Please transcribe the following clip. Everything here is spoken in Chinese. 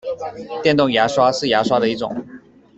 电动牙刷是牙刷的一种。